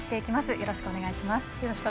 よろしくお願いします。